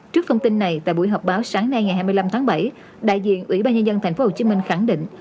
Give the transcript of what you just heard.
trước thông tin này tại buổi họp báo sáng nay ngày hai mươi năm tháng bảy đại diện ủy ban nhân dân tp hcm khẳng định